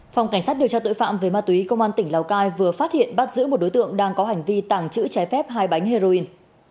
phòng cảnh sát điều tra tội phạm về ma túy công an tỉnh lào cai vừa phát hiện bắt giữ một đối tượng đang có hành vi tàng trữ trái phép hai bánh heroin